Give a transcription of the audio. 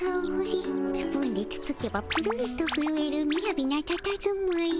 スプーンでつつけばプルンとふるえるみやびなたたずまい。